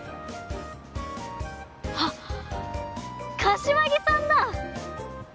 あっ柏木さんだ！